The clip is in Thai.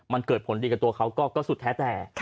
มันเกิดผลดีกับตัวเขาก็สุดแท้แต่